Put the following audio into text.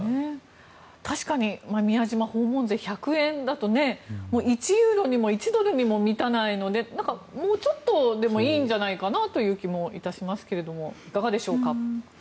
確かに宮島訪問税１００円だと１ユーロにも１ドルにも満たないのでもうちょっとでもいいんじゃないかなという気も致しますがいかがでしょうか。